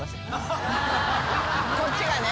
こっちがね。